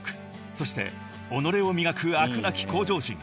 ［そして己を磨く飽くなき向上心］